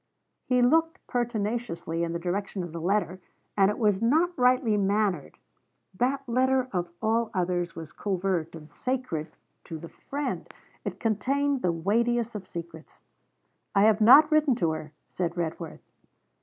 He looked pertinaciously in the direction of the letter, and it was not rightly mannered. That letter, of all others, was covert and sacred to the friend. It contained the weightiest of secrets. 'I have not written to her,' said Redworth.